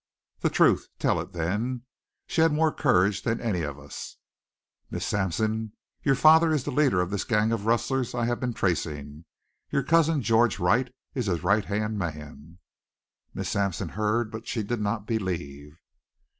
"The truth! Tell it then." She had more courage than any of us. "Miss Sampson, your father is the leader of this gang of rustlers I have been tracing. Your cousin George Wright, is his right hand man." Miss Sampson heard, but she did not believe.